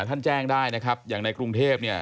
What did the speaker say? ท่านแจ้งได้นะครับอย่างในกรุงเทพเนี่ย